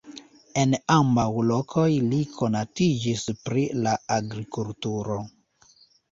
En ambaŭ lokoj li konatiĝis pri la agrikulturo.